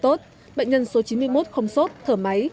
tốt bệnh nhân số chín mươi một không sốt thở máy